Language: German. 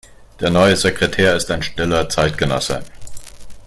Der neue Sekretär ist ein stiller Zeitgenosse.